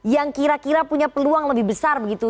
yang kira kira punya peluang lebih besar begitu